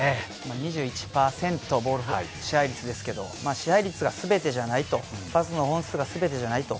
２１％ボール支配率ですけど支配率がすべてじゃないとパスの本数がすべてじゃないと。